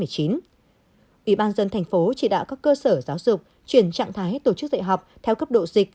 ủy ban dân thành phố chỉ đạo các cơ sở giáo dục chuyển trạng thái tổ chức dạy học theo cấp độ dịch